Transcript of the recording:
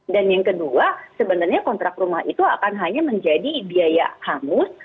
dan yang kedua sebenarnya kontrak rumah itu akan hanya menjadi biaya hamus